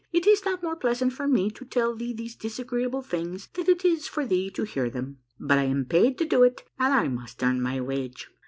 It is not more pleasant for me to tell thee these disagreeable things than it is for thee to hear them, but I am paid to do it and I must earn my wage.